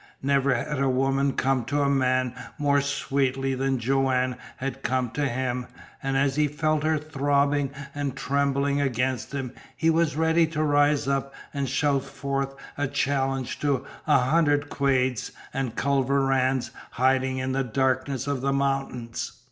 Never had woman come to man more sweetly than Joanne had come to him, and as he felt her throbbing and trembling against him he was ready to rise up and shout forth a challenge to a hundred Quades and Culver Ranns hiding in the darkness of the mountains.